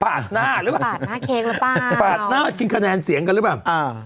ปาดหน้าด้วยปาดหน้าออกขึ้นขนาดเสียงกันหรือเปล่า